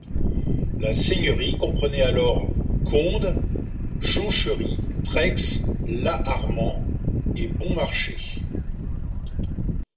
La seigneurie comprenait alors Condes, Jonchery, Treix, Laharmand et Bonmarchais.